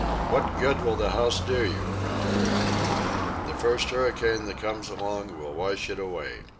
"What good will the house do you?" Raoul demanded. "The first hurricane that comes along will wash it away.